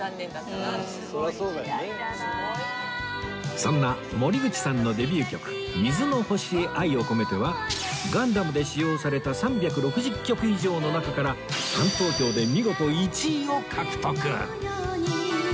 そんな森口さんのデビュー曲『水の星へ愛をこめて』は『ガンダム』で使用された３６０曲以上の中からファン投票で見事１位を獲得！